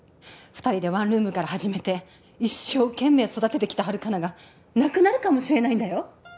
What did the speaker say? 二人でワンルームから始めて一生懸命育ててきたハルカナがなくなるかもしれないんだよ